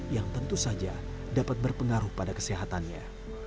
yang tentu saja dapat berpengaruh pada kesehatannya